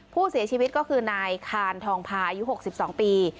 ผู้เสียชีวิตก็คือนายขานทองพาอายุหกสิบสองปี